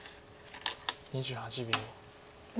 ２８秒。